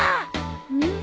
うん？